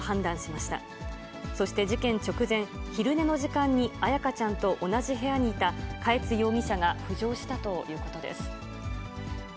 そして事件直前、昼寝の時間に彩花ちゃんと同じ部屋にいた嘉悦容疑者が浮上したということです。